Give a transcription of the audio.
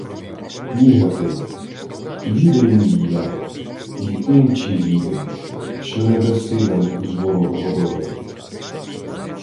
— Ні, Гатиле. Відаю й я, й инчі відають, що не даси нам узворот Годоя.